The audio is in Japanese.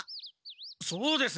そうです。